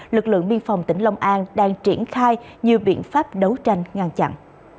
lực lượng biên phòng tỉnh long an đang triển khai nhiều biện pháp đấu tranh ngăn chặn